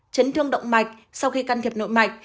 chấn thương động mạch sau khi can thiệp nội mạch